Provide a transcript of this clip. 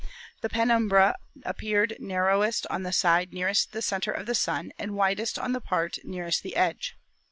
The penumbra appeared narrow est on the side nearest the center of the Sun and widest on the part nearest the edge.